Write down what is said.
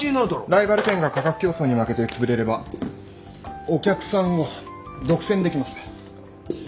ライバル店が価格競争に負けてつぶれればお客さんを独占できます。